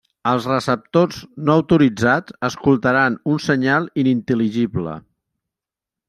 Els receptors no autoritzats escoltaran un senyal inintel·ligible.